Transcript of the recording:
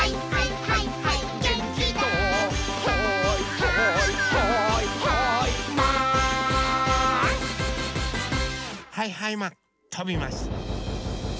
はいはいマンとびます！